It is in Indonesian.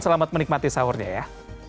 selamat menikmati sahurnya ya